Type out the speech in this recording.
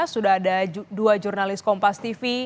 sudah ada dua jurnalis kompas tv